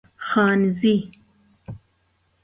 خانزي